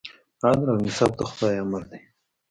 عدل او انصاف د خدای امر دی.